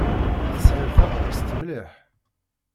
Tesɛiḍ tabɣest mliḥ.